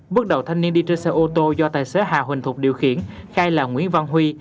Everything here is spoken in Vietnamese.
bước đầu thanh niên đi trên xe ô tô do tài xế hà huỳnh thuộc điều khiển khai là nguyễn văn huy